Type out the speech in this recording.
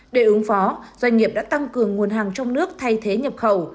để ứng phó doanh nghiệp đã tăng cường nguồn hàng trong nước thay thế nhập khẩu